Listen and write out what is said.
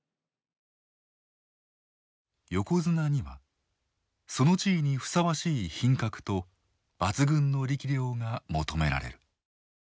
横綱にはその地位にふさわしい品格と抜群の力量が求められる。